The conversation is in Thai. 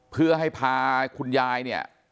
เพื่อให้พาคุณยายเนี่ย